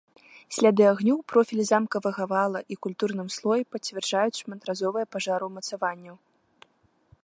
Сляды агню ў профілі замкавага вала і культурным слоі пацвярджаюць шматразовыя пажары ўмацаванняў.